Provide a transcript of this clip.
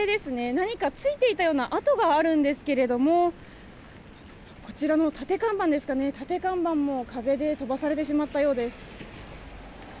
何かついていたような跡があるんですけどこちらの立て看板も、風で飛ばされてしまったようです。